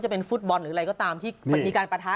เป็นฟุตบอลหรืออะไรก็ตามที่มีการปะทะ